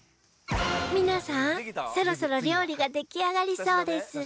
皆さんそろそろ料理が出来上がりそうです